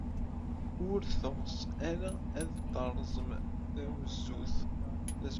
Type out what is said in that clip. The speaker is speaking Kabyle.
Ur teɣs ara ad terẓem tazewwut.